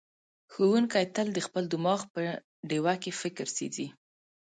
ښوونکی تل د خپل دماغ په ډیوه کې فکر سېځي.